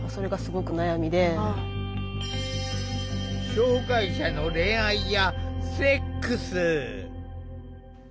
障害者の恋愛やセックス。